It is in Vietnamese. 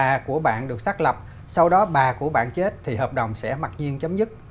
bà của bạn được xác lập sau đó bà của bạn chết thì hợp đồng sẽ mặc nhiên chấm dứt